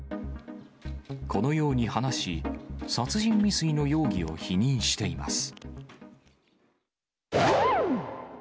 このように話し、殺人未遂の容疑を否認しています。